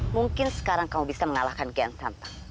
mungkin sekarang kamu bisa mengalahkan kian tampak